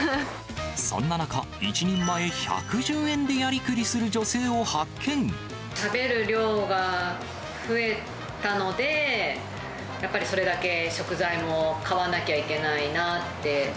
そんな中、１人前１１０円で食べる量が増えたので、やっぱりそれだけ食材も買わなきゃいけないなって。